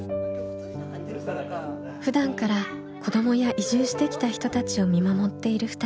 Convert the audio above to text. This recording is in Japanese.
ふだんから子どもや移住してきた人たちを見守っている２人。